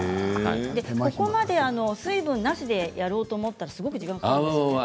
ここまで水分なしでやろうと思ったらすごく時間がかかるんですね。